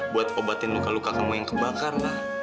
buat obatin luka luka kamu yang kebakar lah